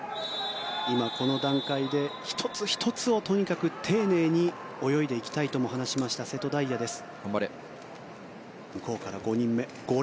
この段階で１つ１つをとにかく丁寧に泳いでいきたいとも話しました瀬戸大也です。